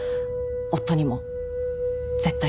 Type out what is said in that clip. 夫にも絶対に。